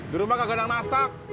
dulu makan kadang kadang masak